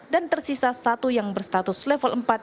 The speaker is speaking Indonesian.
dan tersisa satu yang berstatus level empat